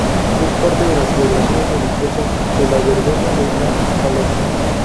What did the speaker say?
Es parte de las celebraciones religiosas de la verbena de la Paloma.